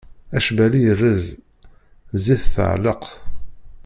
Acbali irreẓ, zzit tɛelleq.